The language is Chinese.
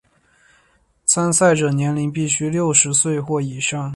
参赛者年龄必须六岁或以上。